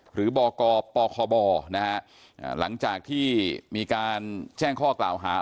หรือบ่อกบบครอบอร์นะครับหลังจากที่มีการแจ้งข้อกราวหาเอาไว้